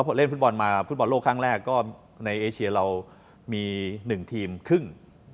พอเล่นฟุตบอลมาฟุตบอลโลกครั้งแรกก็ในเอเชียเรามี๑ทีมครึ่ง